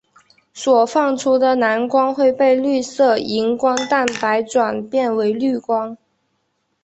所放出的蓝光会被绿色荧光蛋白转变为绿光。